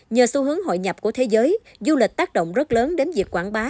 nhờ xu hướng hội nhập của thế giới du lịch tác động rất lớn đến việc quảng bá